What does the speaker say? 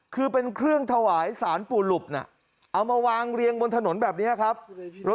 คือเป็นเครื่องถวายสารปู่หลุบน่ะเอามาวางเรียงบนถนนแบบนี้ครับ